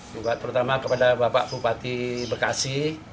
juga pertama kepada bapak bupati bekasi